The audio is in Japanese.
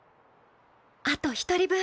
あと一人分。